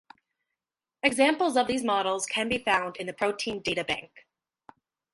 Examples of these models can be found in the Protein Data Bank.